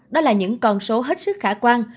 đó là những con số hết sức khả quan